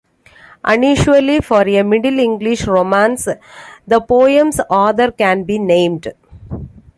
Unusually for a Middle English romance, the poem's author can be named.